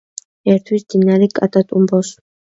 ერთვის მდინარე კატატუმბოს.